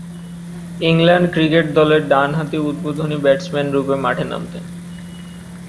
England cricket দলে ডানহাতি উদ্বোধনী ব্যাটসম্যানরূপে মাঠে নামতেন।